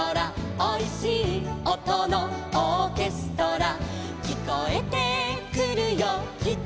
「おいしいおとのオーケストラ」「きこえてくるよキッチンから」